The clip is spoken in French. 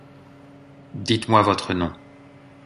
Dites-moi votre nom.